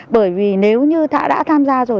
bởi vì nếu như đã tham gia rồi